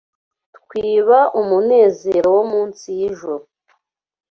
Twiba umunezero wo munsi y,ijuru